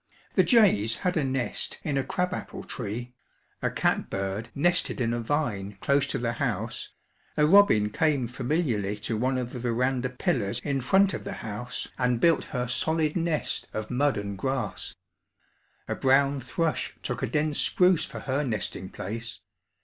The jays had a nest in a crab apple tree, a cat bird nested in a vine close to the house, a robin came familiarly to one of the veranda pillars in front of the house and built her solid nest of mud and grass. A brown thrush took a dense spruce for her nesting place.